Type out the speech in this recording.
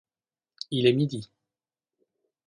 Il est midi.